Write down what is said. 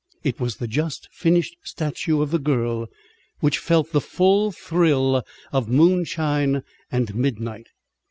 It was the just finished statue of the girl which felt the full thrill of moonshine and midnight.